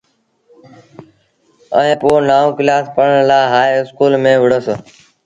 ائيٚݩ پو نآئوٚݩ ڪلآس پڙهڻ لآ هآئي اسڪول ميݩ وُهڙوس۔